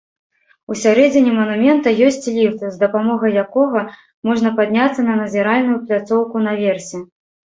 Усярэдзіне манумента ёсць ліфт, з дапамогай якога можна падняцца на назіральную пляцоўку наверсе.